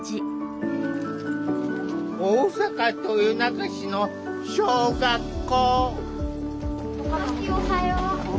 大阪・豊中市の小学校。